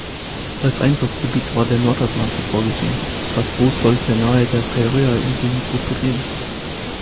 Als Einsatzgebiet war der Nordatlantik vorgesehen, das Boot sollte nahe der Färöer-Inseln operieren.